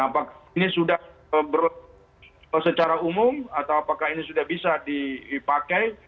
apakah ini sudah berlangsung secara umum atau apakah ini sudah bisa dipakai